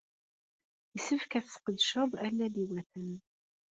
Yessefk ad tesqedceḍ allal iwatan.